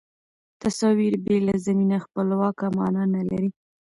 تصاویر بې له زمینه خپلواک معنا نه لري.